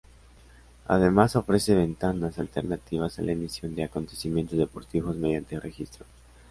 Además ofrece ventanas alternativas a la emisión de acontecimientos deportivos, mediante registro.